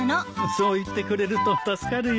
そう言ってくれると助かるよ。